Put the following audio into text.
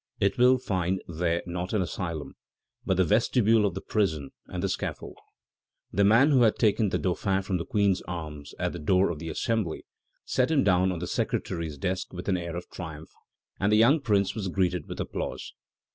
It will find there not an asylum, but the vestibule of the prison and the scaffold. The man who had taken the Dauphin from the Queen's arms at the door of the Assembly set him down on the secretary's desk with an air of triumph, and the young Prince was greeted with applause.